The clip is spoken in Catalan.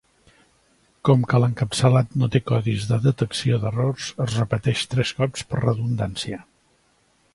Com que l'encapçalat no té codis de detecció d'errors, es repeteix tres cops per redundància.